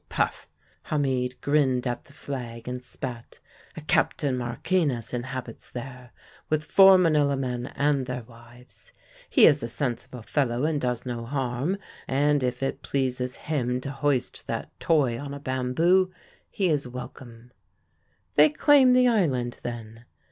"'Puf!' Hamid grinned at the flag and spat. 'A Captain Marquinez inhabits there, with four Manila men and their wives. He is a sensible fellow, and does no harm, and if it pleases him to hoist that toy on a bamboo, he is welcome.' "'They claim the island, then?'